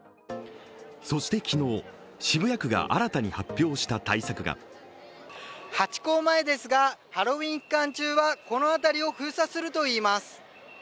そして昨日、渋谷区が新たに発表した対策がハチ公前ですが、ハロウィーン期間中はこの辺りを封鎖するといいます。